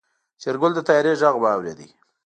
شېرګل د طيارې غږ واورېد.